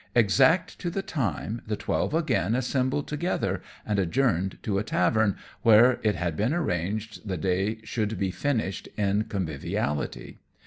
Exact to the time, the twelve again assembled together, and adjourned to a tavern, where it had been arranged the day should be finished in conviviality.